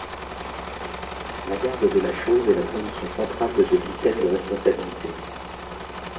La garde de la chose est la condition centrale de ce système de responsabilité.